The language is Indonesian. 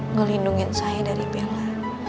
ngelindungin saya dari bella